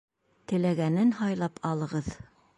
Теләгәнен һайлап алығыҙ.